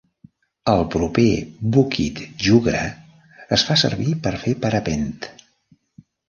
El proper Bukit Jugra es fa servir per fer parapent.